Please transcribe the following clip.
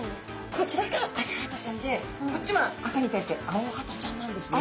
こちらがアカハタちゃんでこっちは赤に対してアオハタちゃんなんですね。